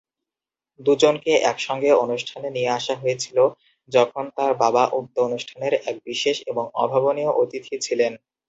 দু'জনকে একসঙ্গে অনুষ্ঠানে নিয়ে আসা হয়েছিল, যখন তার বাবা উক্ত অনুষ্ঠানের এক বিশেষ এবং অভাবনীয় অতিথি ছিলেন।